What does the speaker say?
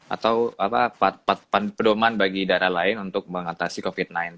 atau pedoman bagi daerah lain untuk mengatasi covid sembilan belas